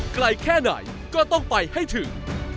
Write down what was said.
ไกลแค่ไหนก็ต้องไปให้ถึง